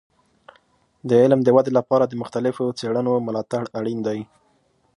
د علم د ودې لپاره د مختلفو څیړنو ملاتړ اړین دی.